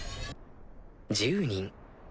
１０人。